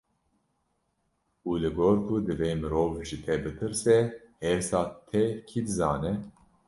Û li gor ku divê mirov ji te bitirse, hêrsa te kî dizane?